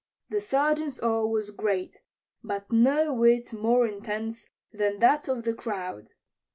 The Sergeant's awe was great, but no whit more intense than that of the crowd.